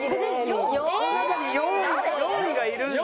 この中に４位がいるんだね。